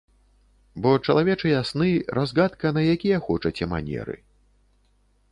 Бо чалавечыя сны разгадка на якія хочаце манеры.